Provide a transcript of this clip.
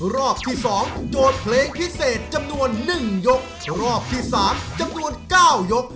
รอบที่สองโจทย์เพลงพิเศษจำนวนหนึ่งยกรอบที่สามจำนวนเก้ายก